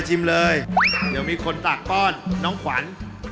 เดี๋ยวมีคนตากต้อนน้องขวัญ